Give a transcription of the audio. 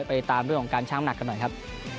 ไปตามเรื่องของการช่างหนักกันหน่อยครับ